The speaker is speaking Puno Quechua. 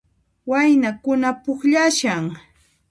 Waynakuna pukllashan